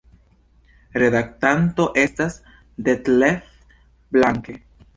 Redaktanto estas Detlev Blanke.